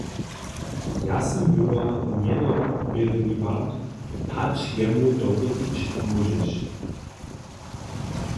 Ja sym była njedowěrliwa, hač jemu dowěrić móžeše.